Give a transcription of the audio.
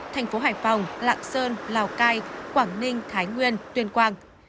thành phố hải phòng lạng sơn lào cai quảng ninh thái nguyên tuyên quang